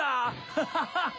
ハハハハ。